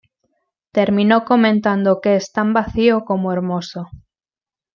Terminó comentando que es "tan vació como hermoso".